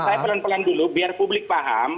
saya pelan pelan dulu biar publik paham